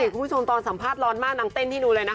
คุณผู้ชมตอนสัมภาษณ์ร้อนมากนางเต้นให้ดูเลยนะ